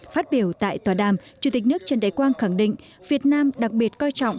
phát biểu tại tòa đàm chủ tịch nước trần đại quang khẳng định việt nam đặc biệt coi trọng